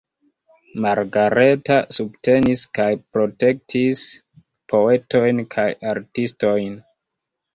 Margareta subtenis kaj protektis poetojn kaj artistojn.